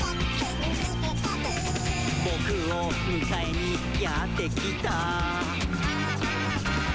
「ぼくをむかえにやってきた？」